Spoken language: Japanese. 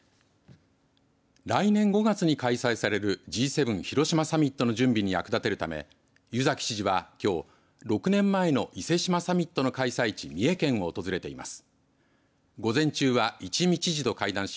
来年５月に開催されるＧ７広島サミットの準備に役立てるため湯崎知事は、きょう６年前の伊勢志摩サミットの開催地三重県を訪れています。